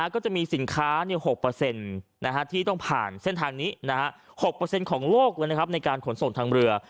ก็จะมีสินค้า๖ที่ต้องผ่านเส้นทางนี้๖ของโลกในการขนส่งทางเรือ